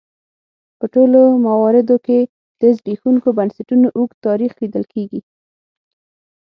په ټولو مواردو کې د زبېښونکو بنسټونو اوږد تاریخ لیدل کېږي.